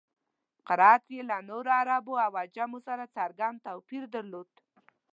قرائت یې له نورو عربو او عجمو سره څرګند توپیر درلود.